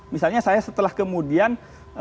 misalnya saya setelah kemudian